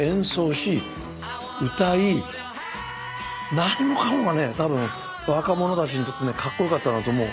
何もかもがね多分若者たちにとってねかっこよかったんだと思う。